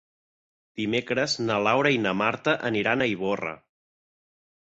Dimecres na Laura i na Marta aniran a Ivorra.